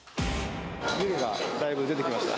湯気がだいぶ出てきました。